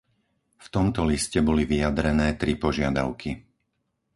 V tomto liste boli vyjadrené tri požiadavky.